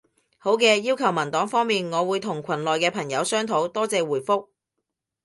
好嘅，要求文檔方面，我會同群內嘅朋友商討。多謝回覆